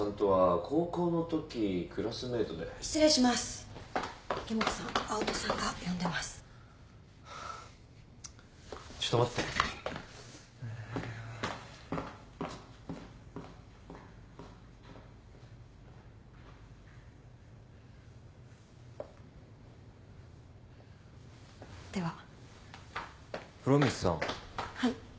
はい。